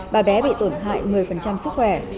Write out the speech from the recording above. bà bé bị tổn hại một mươi sức khỏe